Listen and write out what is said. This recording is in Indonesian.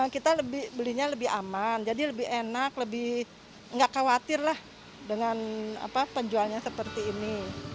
kita belinya lebih aman jadi lebih enak lebih tidak khawatir dengan penjualannya seperti ini